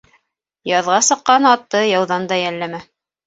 Яҙға сыҡҡан атты яуҙан да йәлләмә